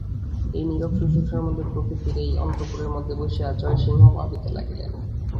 এই নীরব শুশ্রূষার মধ্যে, প্রকৃতির এই অন্তঃপুরের মধ্যে বসিয়া জয়সিংহ ভাবিতে লাগিলেন।